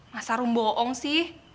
masa rum bohong sih